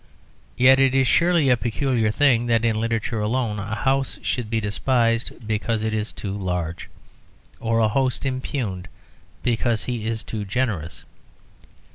Yet it is surely a peculiar thing that in literature alone a house should be despised because it is too large, or a host impugned because he is too generous.